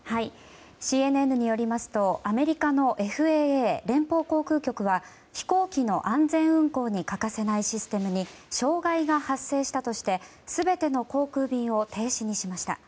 ＣＮＮによりますとアメリカのＦＡＡ・連邦航空局は飛行機の安全運航に欠かせないシステムに障害が発生したとして全ての航空便を停止にしました。